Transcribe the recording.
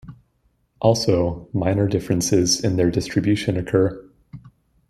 Also, minor differences in their distribution occur.